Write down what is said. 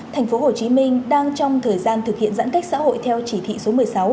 tp hồ chí minh đang trong thời gian thực hiện giãn cách xã hội theo chỉ thị số một mươi sáu